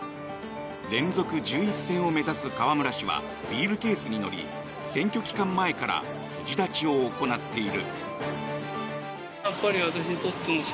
連続１１選を目指す河村氏はビールケースに乗り選挙期間前から辻立ちを行っている。